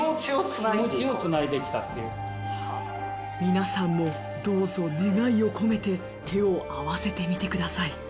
皆さんもどうぞ願いを込めて手を合わせてみてください。